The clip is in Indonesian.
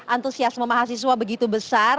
antusiasme mahasiswa begitu besar